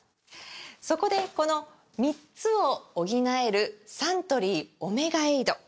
そこでこの３つを補えるサントリー「オメガエイド」！